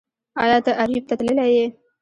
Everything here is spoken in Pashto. ایا ته اریوب ته تللی یې